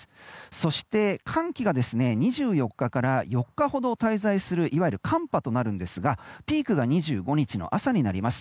そして、寒気が２４日から４日ほど滞在するいわゆる寒波となるんですがピークが２５日の朝になります。